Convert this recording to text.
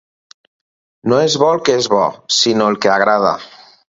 No és bo el que és bo, sinó el que agrada.